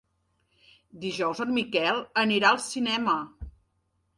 Dijous en Miquel anirà al cinema.